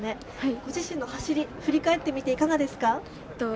ご自身の走り振り返ってみていかがですか？